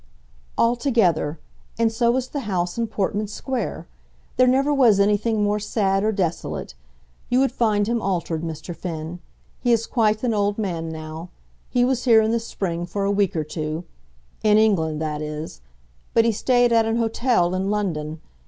"Altogether, and so is the house in Portman Square. There never was anything more sad or desolate. You would find him altered, Mr. Finn. He is quite an old man now. He was here in the spring, for a week or two; in England, that is; but he stayed at an hotel in London.